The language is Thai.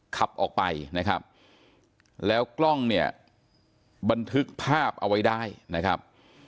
ขับออกไปนะครับแล้วกล้องเนี่ยบันทึกภาพเอาไว้ได้นะครับ